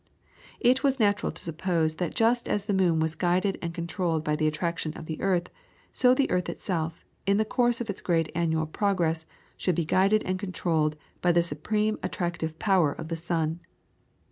It was natural to suppose that just as the moon was guided and controlled by the attraction of the earth, so the earth itself, in the course of its great annual progress, should be guided and controlled by the supreme attractive power of the sun.